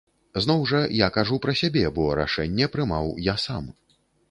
Зноў жа, я кажу пра сябе, бо рашэнне прымаў я сам.